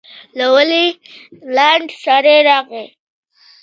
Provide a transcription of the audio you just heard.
له ونې لنډ سړی راغی.